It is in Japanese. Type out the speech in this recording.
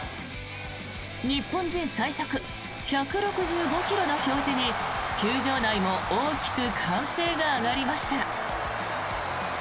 日本人最速１６５ｋｍの表示に球場内も大きく歓声が上がりました。